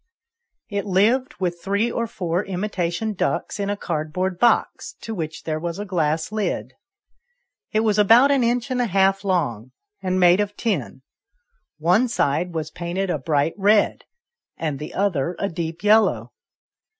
IT lived with three or four imitation ducks in a cardboard box, to which there was a glass lid. It was about an inch and a half long, and made of tin : one side was painted a bright red, and the other a deep yellow.